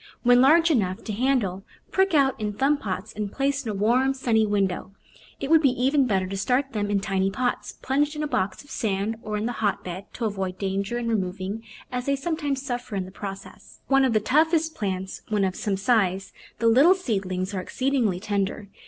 When large enough to handle, prick out in thumb pots and place in a warm, sunny window. It would be even better to start them in tiny pots, plunged in a box of sand or in the hotbed, to avoid danger in removing, as they sometimes suffer in the process. Though one of the toughest plants when of some size, the little seedlings are exceedingly tender.